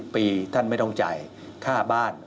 ปีท่านไม่ต้องจ่ายค่าบ้าน